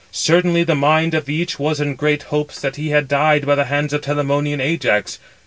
Certainly the mind of each was in great hopes that he had died by the hands of Telamonian Ajax.